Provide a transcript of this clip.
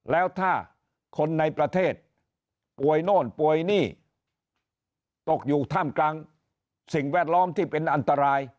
แล้วถ้าคนในประเทศป่วยโน่นป่วยนี่ตกอยู่ท่ามกลางสิ่งแวดล้อมที่เป็นอันตราย